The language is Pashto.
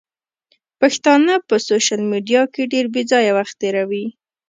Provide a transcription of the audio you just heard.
پښتانه په سوشل ميډيا کې ډېر بېځايه وخت تيروي.